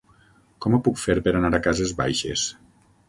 Com ho puc fer per anar a Cases Baixes?